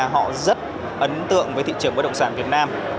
họ rất ấn tượng với thị trường bất động sản việt nam